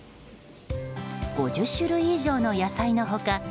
５０種類以上の野菜の他